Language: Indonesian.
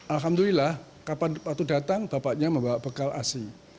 alhamdulillah kapan waktu datang bapaknya membawa bekal asi